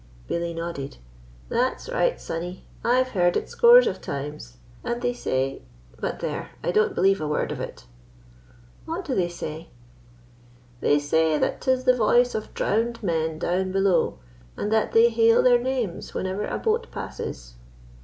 Billy nodded. "That's right, sonny; I've heard it scores of times. And they say. ... But, there, I don't believe a word of it." "What do they say?" "They say that 'tis the voice of drowned men down below, and that they hail their names whenever a boat passes."